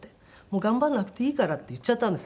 「もう頑張らなくていいから」って言っちゃったんですよ